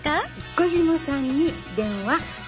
岡嶋さんに電話。